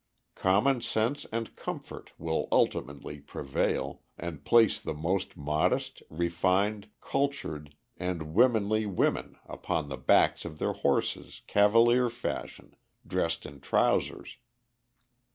Common sense and comfort will ultimately prevail, and place the most modest, refined, cultured, and womenly women upon the backs of their horses cavalier fashion, dressed in trousers.